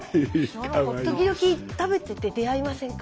時々食べてて出会いませんか？